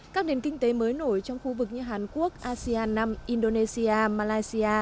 các nền kinh tế mới nổi trong khu vực như hàn quốc asean năm indonesia malaysia